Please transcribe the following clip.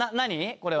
これは。